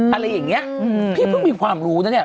อะไรอย่างนี้พี่เพิ่งมีความรู้นะเนี่ย